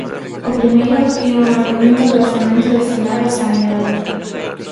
O primeiro é o argumento do orzamento destinado a sanidade.